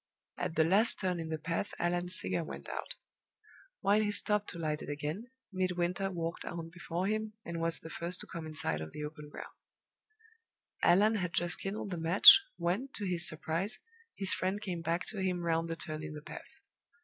At the last turn in the path Allan's cigar went out. While he stopped to light it again, Midwinter walked on before him, and was the first to come in sight of the open ground. Allan had just kindled the match, when, to his surprise, his friend came back to him round the turn in the path.